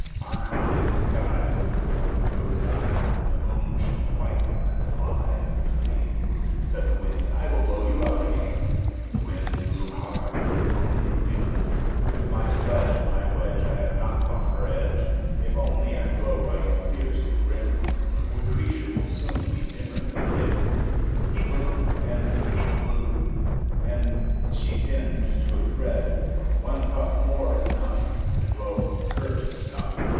On high In the sky, With her one ghost eye, The Moon shone white and alive and plain. Said the Wind, "I will blow you out again." The Wind blew hard, and the Moon grew dim. "With my sledge, And my wedge, I have knocked off her edge! If only I blow right fierce and grim, The creature will soon be dimmer than dim." He blew and he blew, and she thinned to a thread, "One puff More's enough To blow her to snuff!